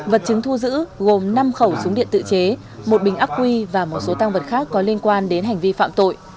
vật chứng thu giữ gồm năm khẩu súng điện tự chế một bình ác quy và một số tăng vật khác có liên quan đến hành vi phạm tội